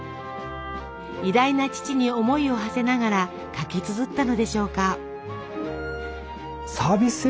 偉大な父に思いをはせながら書きつづったのでしょうか。